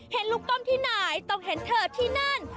เห็นลูกต้มที่ไหนต้องเห็นเธอที่นั่น